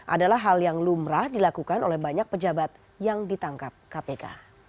adalah hal yang lumrah dilakukan oleh banyak pejabat yang ditangkap kpk